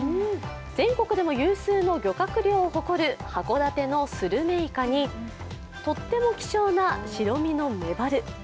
全国でも有数の漁獲量を誇る函館のスルメイカにとっても希少な白身のメバル。